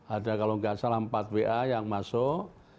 ada kalau nggak salah empat wa yang masuk